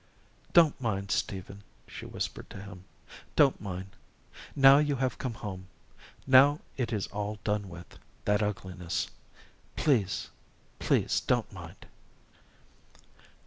"Don't mind, Stephen," she whispered to him, "don't mind. Now you have come home now it is all done with, that ugliness. Please, please don't mind."